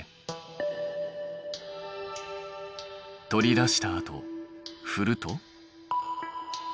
取り出したあとふると？